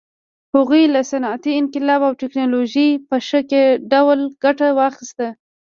هغوی له صنعتي انقلاب او ټکنالوژۍ په ښه ډول ګټه واخیسته.